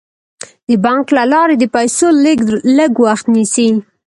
د بانک له لارې د پيسو لیږد لږ وخت نیسي.